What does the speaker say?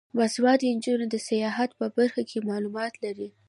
باسواده نجونې د سیاحت په برخه کې معلومات لري.